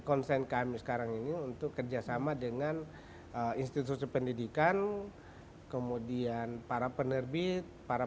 konsen kami sekarang ini untuk kerjasama dengan institusi pendidikan kemudian para penerbit para